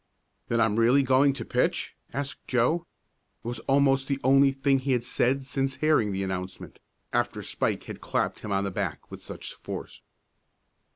"Then I'm really going to pitch?" asked Joe. It was almost the only thing he had said since hearing the announcement, after Spike had clapped him on the back with such force.